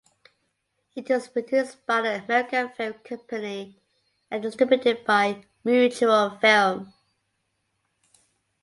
It was produced by the American Film Company and distributed by Mutual Film.